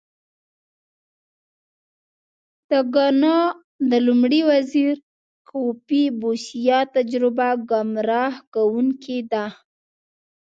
د ګانا د لومړي وزیر کوفي بوسیا تجربه ګمراه کوونکې ده.